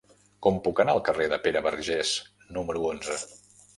Com puc anar al carrer de Pere Vergés número onze?